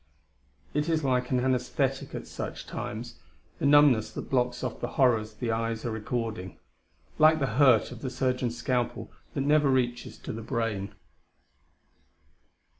It is like an anaesthetic at such times, the numbness that blocks off the horrors the eyes are recording like the hurt of the surgeon's scalpel that never reaches to the brain.